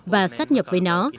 và sát nhập với nó